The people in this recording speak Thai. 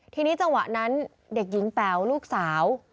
ทีนี้จังหวะนั้นเด็กหญิงแป๋วลูกสาว